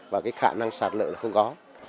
và cái khả năng sạt lợi là không có